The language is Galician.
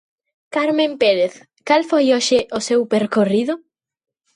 Carmen Pérez, cal foi hoxe o seu percorrido?